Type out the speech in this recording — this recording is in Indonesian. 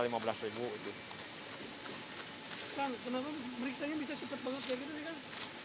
kenapa pemeriksaannya bisa cepat banget kayak gitu